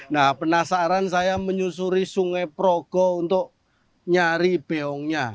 nah penasaran saya menyusuri sungai perogo untuk nyari beongnya